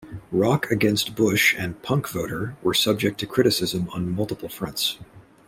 Rock Against Bush and Punkvoter were subject to criticism on multiple fronts.